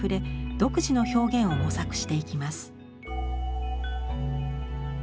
独自の表現を模索していきます。